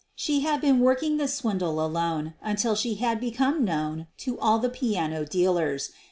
She had been working this swindle alone until she had become known to all the piano dealers.